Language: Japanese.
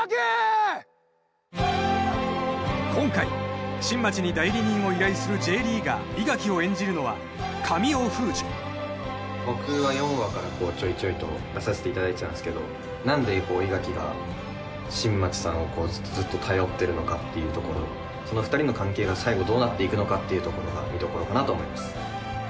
今回新町に代理人を依頼するＪリーガー伊垣を演じるのは神尾楓珠僕は４話からちょいちょいと出させてもらってたんですけど何で伊垣が新町さんをずっとずっと頼ってるのかっていうところその２人の関係が最後どうなっていくのかっていうところが見どころかなと思います